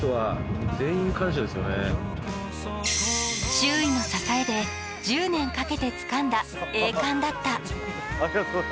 周囲の支えで１０年かけてつかんだ栄冠だった。